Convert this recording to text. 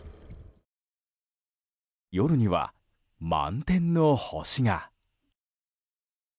夜には、満天の星が。